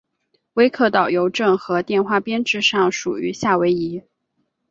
威克岛邮政和电话编制上属于夏威夷。